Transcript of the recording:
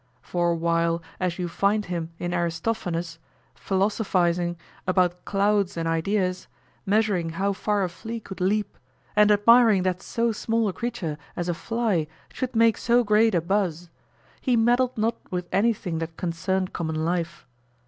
For while, as you find him in Aristophanes, philosophizing about clouds and ideas, measuring how far a flea could leap, and admiring that so small a creature as a fly should make so great a buzz, he meddled not with anything that concerned common life.